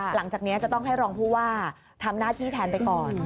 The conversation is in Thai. หลังจากนี้จะต้องให้รองผู้ว่าทำหน้าที่แทนไปก่อน